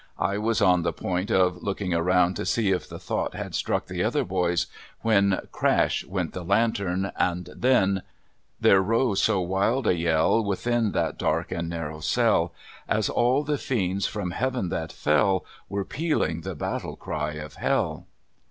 I was on the point of looking around to see if the thought had struck the other boys when crash went the lantern, and then "There rose so wild a yell, Within that dark and narrow cell, As all the fiends from Heaven that fell, Were pealing the battle cry of hell."